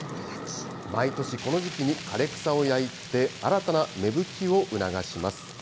毎年、この時期に枯れ草を焼いて、新たな芽吹きを促します。